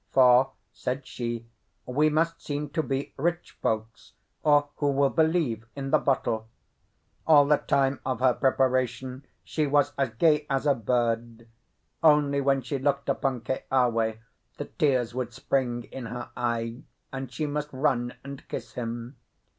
"For," said she, "we must seem to be rich folks, or who will believe in the bottle?" All the time of her preparation she was as gay as a bird; only when she looked upon Keawe, the tears would spring in her eye, and she must run and kiss him.